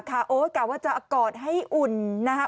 กล่าว้างกลาดว่าจะอาก่อนให้อุ่นนะคะ